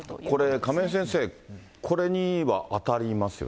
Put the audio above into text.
これ亀井先生、これには当たりますよね。